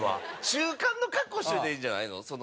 中間の格好しといたらいいんじゃないの？